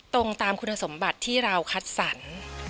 ตรงตามคุณสมบัติที่เราคัดสรร